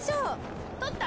取った？